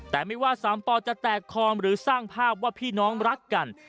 แต่ไม่ว่าสามปอจะแตกคอมหรือสร้างภาพว่าพี่น้องรักกัน